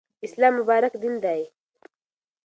اسلام مبارک دین دی.